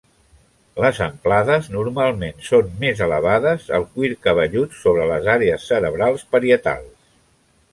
Les amplades normalment són més elevades al cuir cabellut sobre les àrees cerebrals parietals.